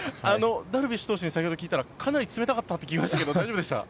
ダルビッシュ投手に先ほど聞いたら冷たかったといっていましたが大丈夫でしたか？